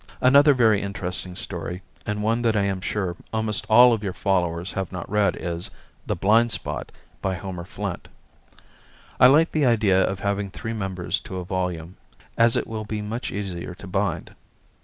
Another very interesting story, and one that I am sure almost all of your followers have not read, is "The Blind Spot," by Homer Flint. I like the idea of having three members to a volume, as it will be much easier to bind.